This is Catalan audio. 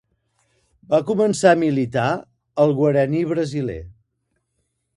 Va començar a militar al Guaraní brasiler.